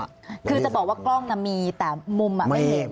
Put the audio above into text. คือจะบอกว่ากล้องน่ะมีแต่มุมไม่เห็น